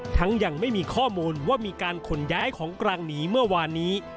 ยังไม่มีข้อมูลว่ามีการขนย้ายของกลางหนีเมื่อวานนี้